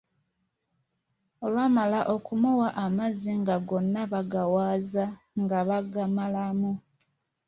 Olwamala okumuwa amazzi nga gonna bagawaza nga bagamalamu.